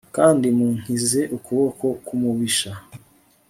kandi munkize ukuboko k'umubisha